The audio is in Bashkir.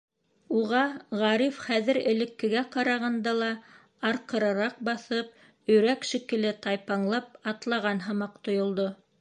Уға Ғариф, хәҙер элеккегә ҡарағанда ла арҡырыраҡ баҫып, өйрәк шикелле тайпаңлап атлаған һымаҡ тойолдо.